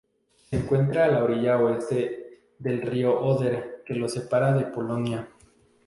Se encuentra a la orilla oeste del río Oder que lo separa de Polonia.